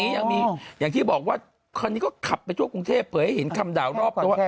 อย่างที่บอกว่าคราวนี้ก็ขับไปทั่วกรุงเทพเผยให้เห็นคำด่ารอบตัว